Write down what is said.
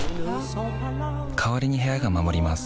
代わりに部屋が守ります